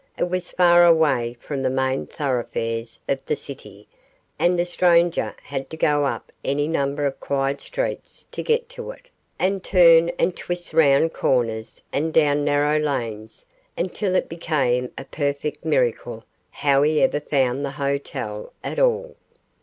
It was far away from the main thoroughfares of the city, and a stranger had to go up any number of quiet streets to get to it, and turn and twist round corners and down narrow lanes until it became a perfect miracle how he ever found the hotel at all.